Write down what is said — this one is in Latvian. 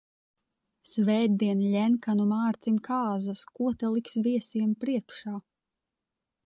Svētdien Ļenkanu Mārcim kāzas, ko ta liks viesiem priekšā?